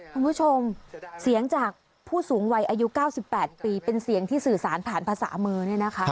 คุณผู้ชมเสียงจากผู้สูงวัยอายุ๙๘ปีเป็นเสียงที่สื่อสารผ่านภาษามือเนี่ยนะคะ